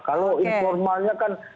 kalau informalnya kan